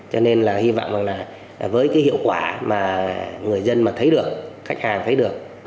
cho nên là hy vọng rằng là với cái hiệu quả mà người dân mà thấy được khách hàng thấy được